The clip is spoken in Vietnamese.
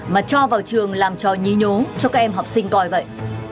mà cho vào trường làm cho nhí nhố cho các em học sinh coi vậy